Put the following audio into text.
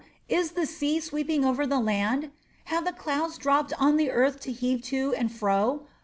Is the sea sweeping over the land? Have the clouds dropped on the earth to heave to and fro?